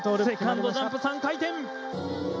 セカンドジャンプ３回転！